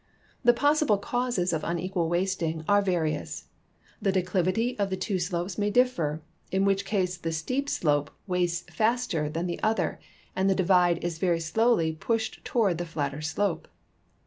The possible causes of unequal wasting are various The declivity of the two slopes may differ, .in which case the steep slope wastes faster than the other and the divide is veiy slowly pushed toward the flatter slope.